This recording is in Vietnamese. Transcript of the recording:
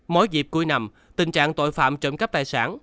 mỗi dịp cuối năm tình trạng tội phạm trộm cắp tài sản